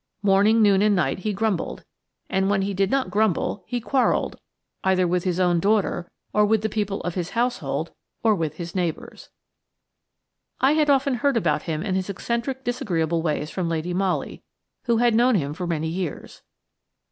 Morning, noon and night he grumbled, and when he did not grumble he quarreled either with his own daughter or with the people of his household, or with his neighbours. I had often heard about him and his eccentric, disagreeable ways from Lady Molly, who had known him for many years.